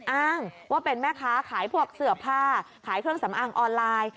อ้างว่าเป็นแม่ค้าขายพวกเสื้อผ้าขายเครื่องสำอางออนไลน์